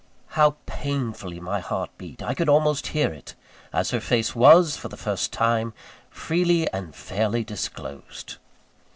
How painfully my heart beat! I could almost hear it as her face was, for the first time, freely and fairly disclosed!